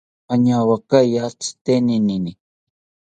Añawakaya tzitenini